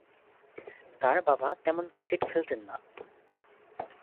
তার বাবা তেমন ক্রিকেট খেলতেন না।